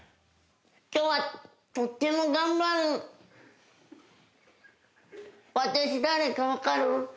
今日はとっても頑張る私誰かわかる？